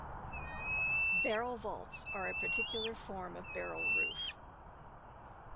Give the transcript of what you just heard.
Barrel vaults are a particular form of barrel roof.